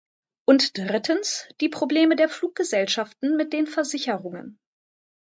Und drittens, die Probleme der Fluggesellschaften mit den Versicherungen.